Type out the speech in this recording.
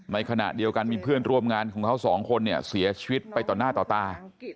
ในขณะเดียวกันมีเพื่อนร่วมงานของเขาสองคนเนี่ยเสียชีวิตไปต่อหน้าต่อตา